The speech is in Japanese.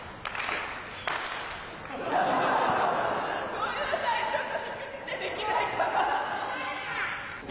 ごめんなさい、ちょっと低くてできない。